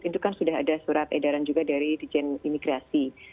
itu kan sudah ada surat edaran juga dari dijen imigrasi